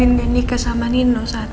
kalau mbak anin udah nikah sama nino saat itu